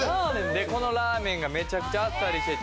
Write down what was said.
でこのラーメンがめちゃくちゃあっさりしてて。